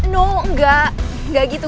no enggak enggak gitu